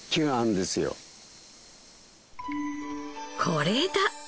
これだ！